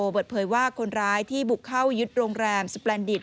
บดเผยว่าคนร้ายที่บุกเข้ายุทธ์โรงแรมสปแลนดิต